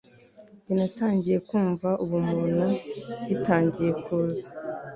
Njye natangiye kumva ubumuntu bitangiye kuza